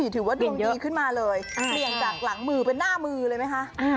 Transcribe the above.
ถือว่าดวงดีขึ้นมาเลยเปลี่ยนจากหลังมือเป็นหน้ามือเลยไหมคะ